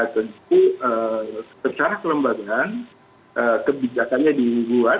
tentu secara kelembagaan kebijakannya dibuat